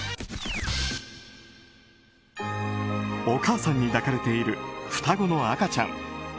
お母さんに抱かれている双子の赤ちゃん。